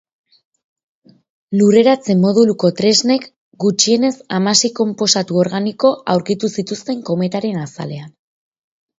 Lurreratze moduluko tresnek gutxienez hamasei konposatu organiko aurkitu zituzten kometaren azalean.